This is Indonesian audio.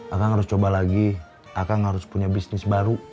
akan harus coba lagi akan harus punya bisnis baru